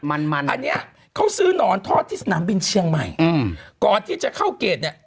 มันมันอันเนี้ยเขาซื้อหนอนทอดที่สนามบินเชียงใหม่อืมก่อนที่จะเข้าเกรดเนี้ย